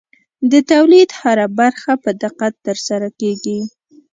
د تولید هره برخه په دقت ترسره کېږي.